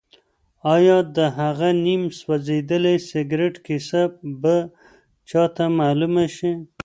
ایا د هغه نیم سوځېدلي سګرټ کیسه به چا ته معلومه شي؟